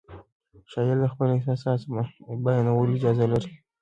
شاعر د خپل احساس بیانولو اجازه لري.